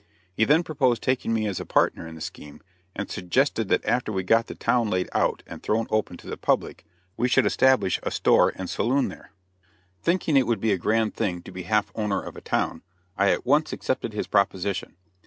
He then proposed taking me as a partner in the scheme, and suggested that after we got the town laid out and thrown open to the public, we should establish a store and saloon there. Thinking it would be a grand thing to be half owner of a town, I at once accepted his proposition.